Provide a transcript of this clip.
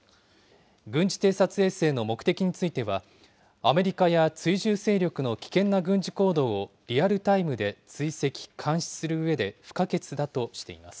軍事偵察衛星の目的については、アメリカや追従勢力の危険な軍事行動をリアルタイムで追跡・監視するうえで不可欠だとしています。